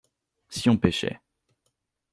Si on pêchait.